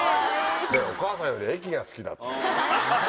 お母さんより駅が好きだって。